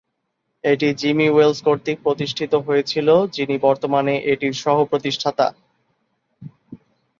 এটি Jimmy Wales কর্তৃক প্রতিষ্ঠিত হয়েছিল, যিনি বর্তমানে এটির সহ প্রতিষ্ঠাতা।